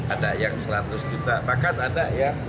ada yang rp dua ratus juta